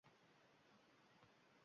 Sening bolang osmondan tushganmi?